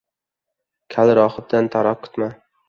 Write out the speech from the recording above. • Kal rohibdan taroq kutma.